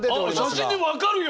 写真でも分かるよ！